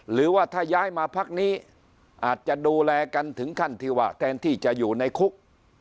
หรือว่าถ้าย้ายมาพักนี้อาจจะดูแลกันถึงขั้นที่ว่าแทนที่จะอยู่ในคุก